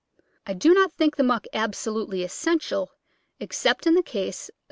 I do not think the muck absolutely essential, except in the case of C.